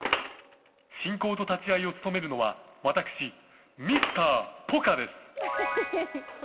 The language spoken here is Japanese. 進行と立ち合いを務めるのは私、ミスター・ポカです。